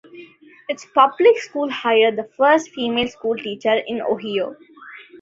Its public school hired the first female schoolteacher in Ohio.